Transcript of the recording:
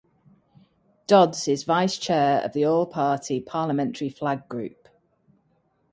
Dodds is vice-chair of the All Party Parliamentary Flag Group.